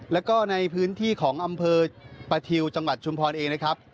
แล้วก็ในพื้นที่ของอำเภอประทิวจังหวัดชุมพรเองนะครับ